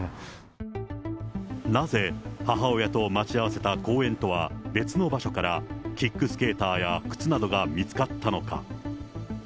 なぜ、母親と待ち合わせた公園とは別の場所から、キックスケーターや靴などが見つかったのか。